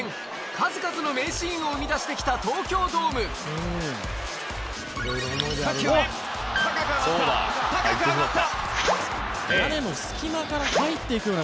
数々の名シーンを生み出してきた東京ドーム３球目高く上がった高く上がった！